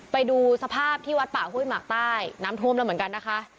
ไปดูสภาพที่วัดป่าห้วยหมากใต้น้ำท่วมแล้วเหมือนกันนะคะ